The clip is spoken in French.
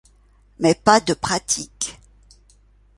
Mais pas de pratique.